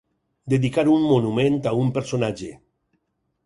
Dedicar un monument a un personatge.